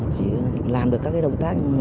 chỉ làm được các cái động tác